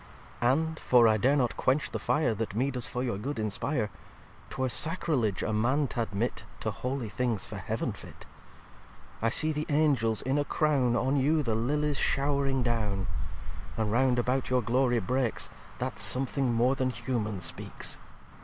xviii "And (for I dare not quench the Fire That me does for your good inspire) 'Twere Sacriledge a Man t'admit To holy things, for Heaven fit. I see the Angels in a Crown On you the Lillies show'ring down: And round about your Glory breaks, That something more than humane speaks.